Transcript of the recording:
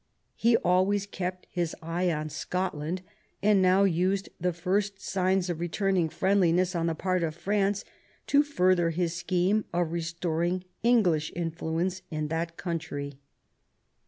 He always kept •his eye on Scotland, and now used the first signs of re turning friendliness on the part of France to further his scheme of restoring English influence in that country.